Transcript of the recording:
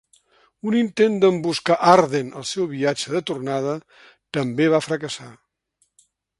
Un intent d'emboscar Arden al seu viatge de tornada també va fracassar.